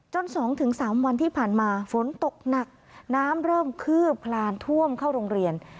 ๒๓วันที่ผ่านมาฝนตกหนักน้ำเริ่มคืบคลานท่วมเข้าโรงเรียน